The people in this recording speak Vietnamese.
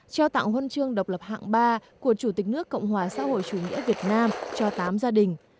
trao tặng huân chương độc lập hạng ba của chủ tịch nước cộng hòa xã hội chủ nghĩa việt nam cho tám gia đình